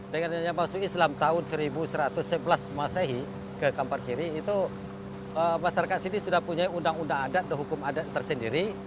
dengan adanya masuk islam tahun seribu satu ratus sebelas masehi ke kampar kiri itu masyarakat sini sudah punya undang undang adat dan hukum adat tersendiri